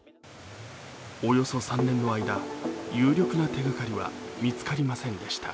およそ３年の間、有力な手がかりは見つかりませんでした。